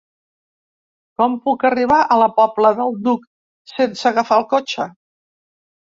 Com puc arribar a la Pobla del Duc sense agafar el cotxe?